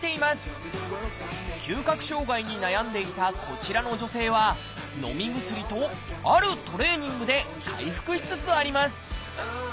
嗅覚障害に悩んでいたこちらの女性はのみ薬とあるトレーニングで回復しつつあります。